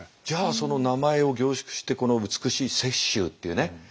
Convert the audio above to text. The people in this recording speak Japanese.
じゃあその名前を凝縮してこの美しい雪舟っていうね